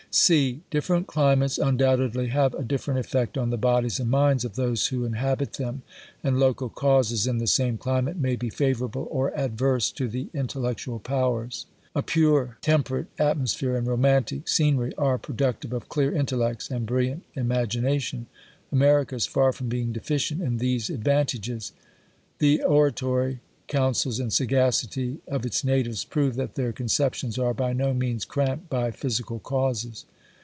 C. Different climates undoubtedly have a different effect on the bodies and minds of those who inhabit them ^ and local causes, in the same climate, may be favourable, or adverse to the intellectual powers. A pure, temperate atmosphere, and romantic scene ry, are productive of clear intellects and brilliant imagi nation. America is far from being deficient in these advantages. The oratory, councils, and sagacity of its natives, prove that their conceptions are by no means ^cramped by physical causes.